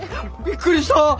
びっくりした！